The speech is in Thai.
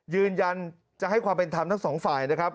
ยืนยันจะให้ความเป็นธรรมทั้งสองฝ่ายนะครับ